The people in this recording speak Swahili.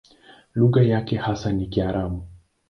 Lugha yake hasa ni Kiaramu.